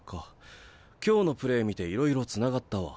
今日のプレー見ていろいろつながったわ。